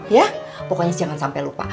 ya pokoknya jangan sampai lupa